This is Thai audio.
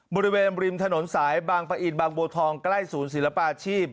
บริเวณริมถนนสายบางปะอินบางบัวทองใกล้ศูนย์ศิลปาชีพ